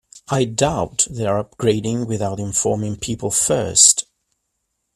I doubt they're upgrading without informing people first.